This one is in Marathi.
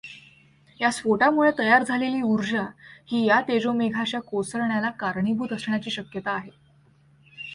या स्फोटामुळे तयार झालेली ऊर्जा ही या तेजोमेघाच्या कोसळण्याला कारणीभूत असण्याची शक्यता आहे.